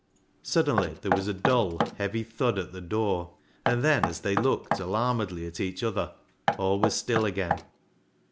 Suddenly there was a dull, heavy thud at the door, and then, as they looked alarmed ly at each other, all was still again.